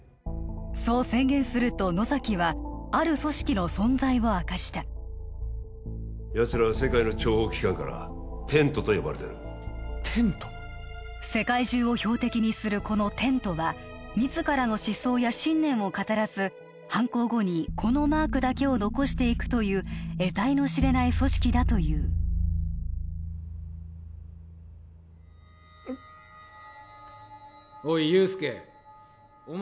そう宣言すると野崎はある組織の存在を明かしたやつらは世界の諜報機関からテントと呼ばれてるテント世界中を標的にするこのテントは自らの思想や信念を語らず犯行後にこのマークだけを残していくというえたいの知れない組織だというおい憂助お前